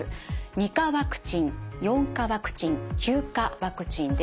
２価ワクチン・４価ワクチン９価ワクチンです。